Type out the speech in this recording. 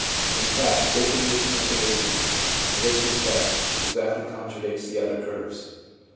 In fact, the distribution of the ages in this respect exactly contradicts the other curves.